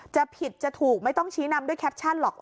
จะผิดจะถูกไม่ต้องชี้นำด้วยแคปชั่นหรอก